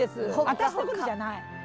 私のことじゃない。